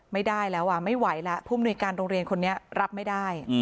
ไม่ได้แล้วไม่ไหวแล้วผู้มนุยการโรงเรียนคนนี้รับไม่ได้